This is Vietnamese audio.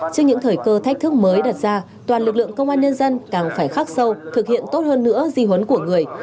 trước những thời cơ thách thức mới đặt ra toàn lực lượng công an nhân dân càng phải khắc sâu thực hiện tốt hơn nữa di huấn của người